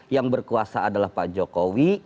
yang berkuasa adalah pak jokowi